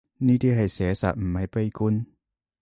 呢啲係寫實，唔係悲觀